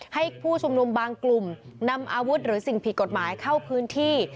ผู้ชุมนุมบางกลุ่มนำอาวุธหรือสิ่งผิดกฎหมายเข้าพื้นที่